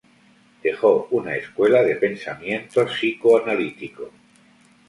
Dejó una escuela de pensamiento psicoanalítico.